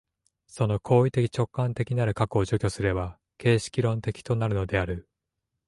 その行為的直観的なる核を除去すれば形式論理的となるのである。